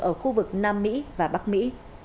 ở khu vực nam mỹ và mỹ